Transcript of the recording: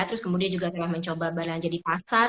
terus kemudian juga telah mencoba belanja di pasar